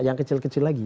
yang kecil kecil lagi